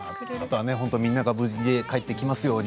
みんなが無事に帰ってきますように。